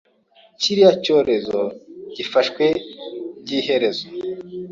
Kiriya cyorezo gifatwe by’iherezo